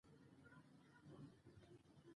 باید دا برخه هېره نه کړو.